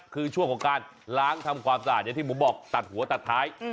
คือช่วงของการล้างทำความสะอาดอย่างที่ผมบอกตัดหัวตัดท้าย